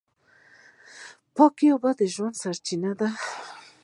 پاکې اوبه د ژوند سرچینه ده.